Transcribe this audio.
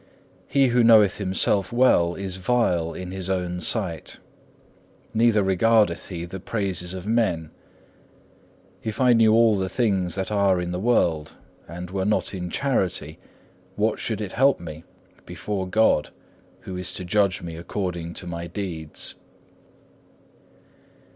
He who knoweth himself well is vile in his own sight; neither regardeth he the praises of men. If I knew all the things that are in the world, and were not in charity, what should it help me before God, who is to judge me according to my deeds?